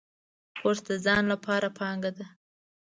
کورس د ځان لپاره پانګه ده.